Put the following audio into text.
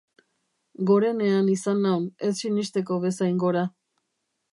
Gorenean izan naun, ez sinesteko bezain gora.